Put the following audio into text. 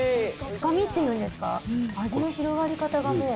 深みっていうんですか、味の広がり方がもう。